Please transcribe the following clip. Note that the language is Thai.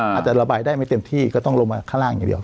อาจจะระบายได้ไม่เต็มที่ก็ต้องลงมาข้างล่างอย่างเดียว